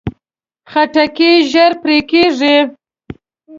خټکی ژر پرې کېږي.